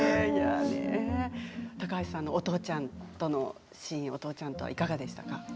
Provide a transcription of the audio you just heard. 高橋さんのお父ちゃんとのシーンはいかがでしたか。